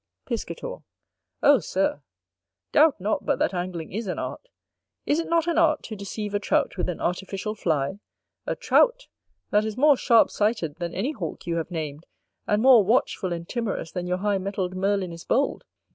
Piscator. O, Sir, doubt not but that Angling is an art; is it not an art to deceive a Trout with an artificial Fly? a Trout! that is more sharp sighted than any Hawk you have named, and more watchful and timorous than your high mettled Merlin is bold?